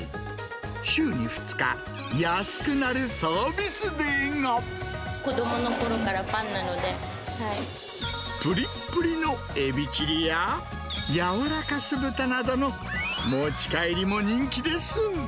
週に２日、子どものころからファンなのぷりっぷりのエビチリや、柔らか酢豚などの、持ち帰りも人気です。